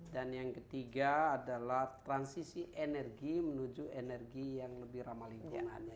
dan yang ketiga adalah transisi energi menuju energi yang lebih ramah lingkungannya